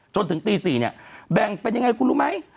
จนถึงตี๔เนี่ยแบ่งเป็นยังไงคุณรู้ไหม